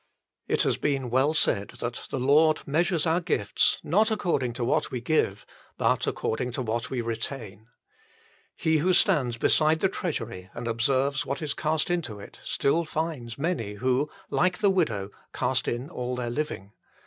It has been well said that the Lord measures our gifts not according to what we give, but according to what we retain. He who stands beside the treasury and observes what is cast into it still finds many who, like the widow, cast in all their living.